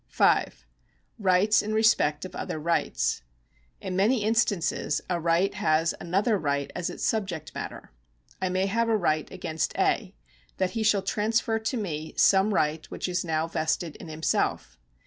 (5) Rights in respect of other rights. — In many instances a right has another right as its subject matter. I may have a right against A., that he shall transfer to me some right which is now vested in himself.